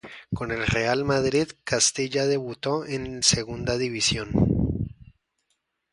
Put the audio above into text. Con el Real Madrid Castilla debutó en Segunda División.